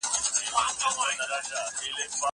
زه کولای سم پلان جوړ کړم!!